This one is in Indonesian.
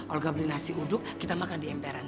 olga beli nasi uduk kita makan di emperan